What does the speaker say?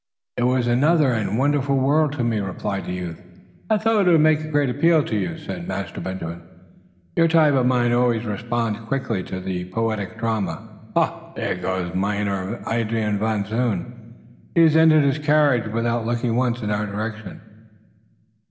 "It was another and wonderful world to me," replied the youth. "I thought it would make a great appeal to you," said Master Benjamin. "Your type of mind always responds quickly to the poetic drama. Ah, there goes Mynheer Adrian Van Zoon. He has entered his carriage without looking once in our direction."